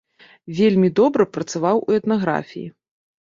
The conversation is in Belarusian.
Вельмі добра працаваў у этнаграфіі.